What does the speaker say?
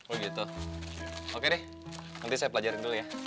oh gitu oke deh nanti saya pelajarin dulu ya